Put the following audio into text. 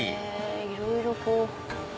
いろいろこう。